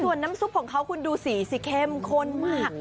ส่วนน้ำซุปของเขาคุณดูสีสิเข้มข้นมาก